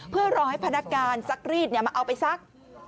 เพื่อรอให้พนักการซักรีดมาเอาไปซัก